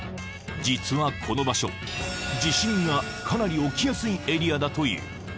実はこの場所地震がかなり起きやすいエリアだという